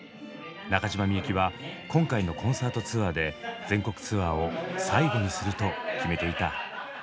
中島みゆきは今回のコンサートツアーで全国ツアーを最後にすると決めていた。